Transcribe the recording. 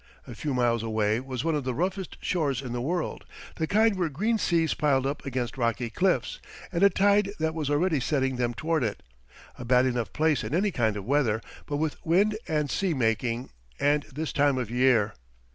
A few miles away was one of the roughest shores in the world, the kind where green seas piled up against rocky cliffs and a tide that was already setting them toward it. A bad enough place in any kind of weather, but with wind and sea making, and this time of year!